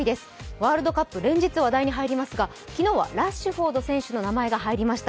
ワールドカップ連日話題に入りますが昨日はラッシュフォード選手の名前が入りました。